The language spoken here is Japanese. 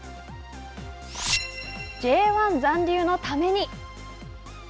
Ｊ１残留のために。